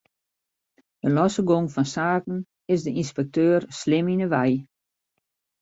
De losse gong fan saken is de ynspekteur slim yn 'e wei.